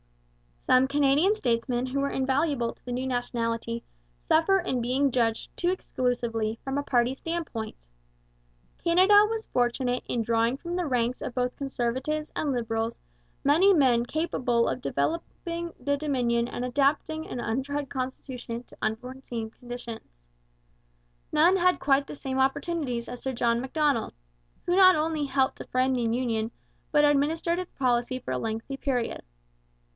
Some Canadian statesmen who were invaluable to the new nationality suffer in being judged too exclusively from a party standpoint. Canada was fortunate in drawing from the ranks of both Conservatives and Liberals many men capable of developing the Dominion and adapting an untried constitution to unforeseen conditions. None had quite the same opportunities as Sir John Macdonald, who not only helped to frame the union but administered its policy for a lengthy period.